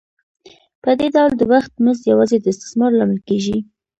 په دې ډول د وخت مزد یوازې د استثمار لامل کېږي